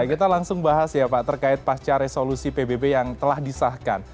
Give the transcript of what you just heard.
kita langsung bahas ya pak terkait pasca resolusi pbb yang telah disahkan